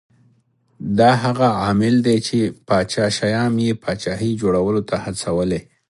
دا هغه عامل دی چې پاچا شیام یې پاچاهۍ جوړولو ته هڅولی